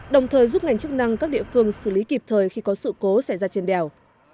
đồng thời giúp ngành chức năng các địa phương xử lý kịp thời khi có sự cố xảy ra trên đèo